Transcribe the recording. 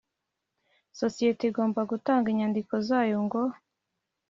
Isosiyete igomba gutanga inyandiko zayo ngo